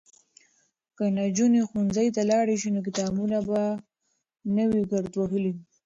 که نجونې ښوونځي ته لاړې شي نو کتابونه به نه وي ګرد وهلي.